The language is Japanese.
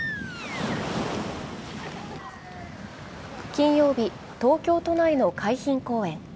金曜日、東京都内の海浜公園。